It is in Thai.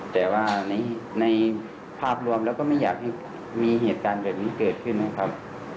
แต่ว่าในภาพรวมแล้วก็ไม่อยากให้มีเหตุการณ์แบบนี้เกิดขึ้นนะครับ